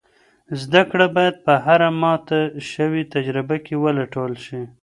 زده کړه باید په هره ماته شوې تجربه کې ولټول شي.